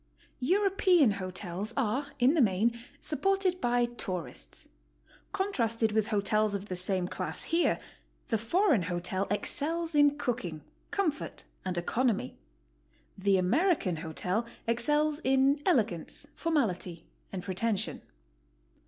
European hotels are in the main supported by tourists. Contrasted with hotels of the same class here, the foreign hotel excels in cooking, comfort, and economy; the Ameri can hotel excels in elegance, formality, and pretension.